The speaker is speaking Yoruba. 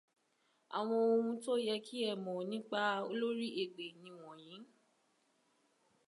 Àwọn ohùn tó yẹ kí ẹ mọ nípa Oloriegbe ni wọ̀nyí.